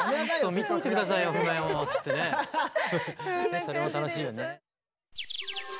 それも楽しいよね。